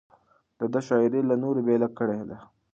د ده شاعري له نورو بېله کړې ده.